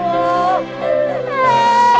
ya allah ya allah